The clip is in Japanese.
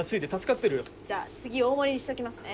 じゃあ次大盛りにしときますね。